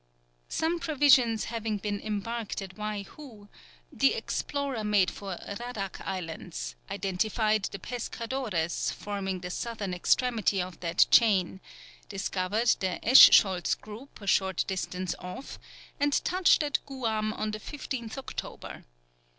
Some provisions having been embarked at Waihou, the explorer made for Radak Islands, identified the Pescadores, forming the southern extremity of that chain, discovered the Eschscholtz group, a short distance off, and touched at Guam on the 15th October.